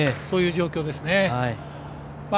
そういう状況ですね。